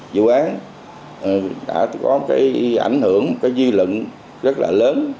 vụ án đã có ảnh hưởng cái duy lực rất là lớn